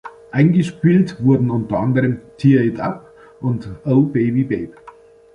Eingespielt wurden unter anderem "Tear It Up" und "Oh Baby Babe".